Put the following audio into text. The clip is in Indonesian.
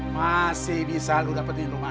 masih bisa lo dapetin romana